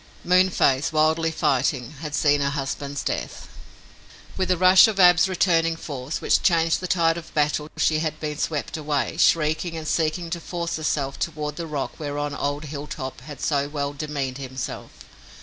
Moonface, wildly fighting, had seen her husband's death. With the rush of Ab's returning force which changed the tide of battle she had been swept away, shrieking and seeking to force herself toward the rock whereon old Hilltop had so well demeaned himself.